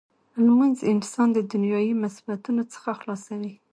لمونځ انسان د دنیايي مصیبتونو څخه خلاصوي.